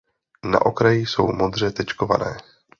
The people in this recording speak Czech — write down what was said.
Na okraji jsou modře tečkované.